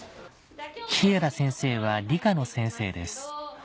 稗田先生は理科の先生です